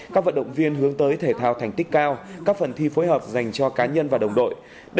các vận động viên hướng tới thể thao thành tích cao các phần thi phối hợp dành cho cá nhân và đồng đội